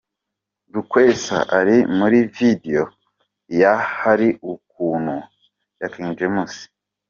Lukwesa ari muri video ya 'Hari Ukuntu' ya King James.